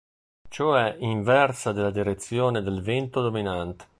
Cioè inversa della direzione del vento dominante.